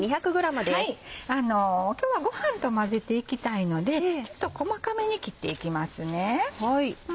今日はごはんと混ぜていきたいのでちょっと細かめに切っていきますね。